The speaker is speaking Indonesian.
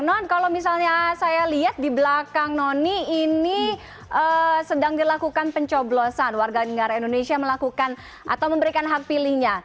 non kalau misalnya saya lihat di belakang noni ini sedang dilakukan pencoblosan warga negara indonesia melakukan atau memberikan hak pilihnya